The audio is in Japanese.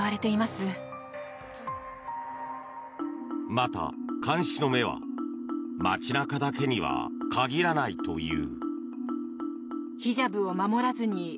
また、監視の目は街中だけには限らないという。